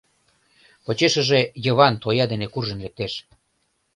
Почешыже Йыван тоя дене куржын лектеш.